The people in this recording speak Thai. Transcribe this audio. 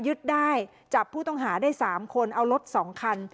ยึดได้จับผู้ต้องหาได้๓คนเอารถ๒คัน